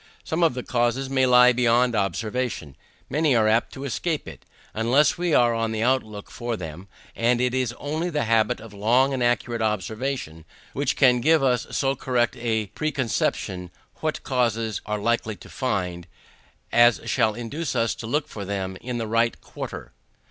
Some of the causes may lie beyond observation; many are apt to escape it, unless we are on the look out for them; and it is only the habit of long and accurate observation which can give us so correct a preconception what causes we are likely to find, as shall induce us to look for them in the right quarter.